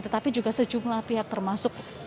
tetapi juga sejumlah pihak termasuk